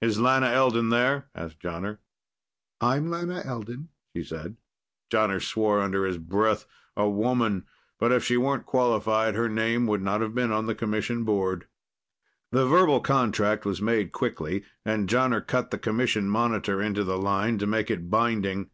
"Is Lana Elden there?" asked Jonner. "I'm Lana Elden," she said. Jonner swore under his breath. A woman! But if she weren't qualified, her name would not have been on the Commission board. The verbal contract was made quickly, and Jonner cut the Commission monitor into the line to make it binding.